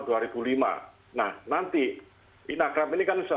nah nanti instagram ini kan